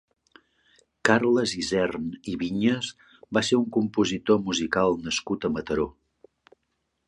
Carles Isern i Vinyas va ser un compositor musical nascut a Mataró.